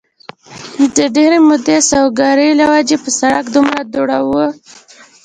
د ډېرې مودې سوکړې له وجې په سړک دومره دوړه وه